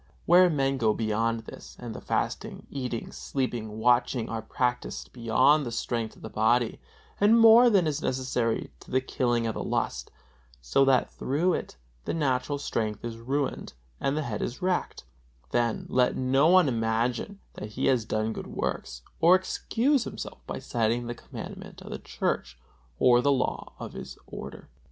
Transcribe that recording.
Where men go beyond this, and the fasting, eating, sleeping, watching are practised beyond the strength of the body, and more than is necessary to the killing of the lust, so that through it the natural strength is ruined and the head is racked; then let no one imagine that he has done good works, or excuse himself by citing the commandment of the Church or the law of his order.